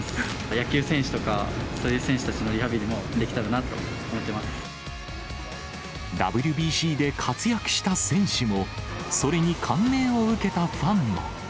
野球選手とか、そういう選手たちのリハビリもできたらなと思ってＷＢＣで活躍した選手も、それに感銘を受けたファンも。